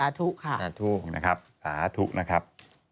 สาธุสาธุนะครับ